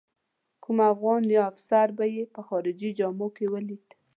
کوم افغان یا افسر به یې په خارجي جامو کې ولیده.